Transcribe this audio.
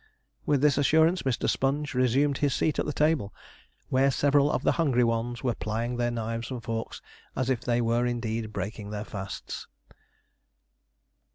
With this assurance Mr. Sponge resumed his seat at the table, where several of the hungry ones were plying their knives and forks as if they were indeed breaking their fasts.